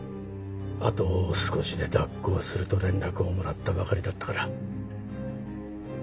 あと少しで脱稿すると連絡をもらったばかりだったから。